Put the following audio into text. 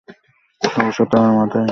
সহসা তাঁহার মাথায় বজ্রাঘাত হইল।